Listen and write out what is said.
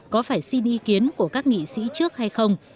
có phải xin ý kiến của các nghị sĩ trước hay không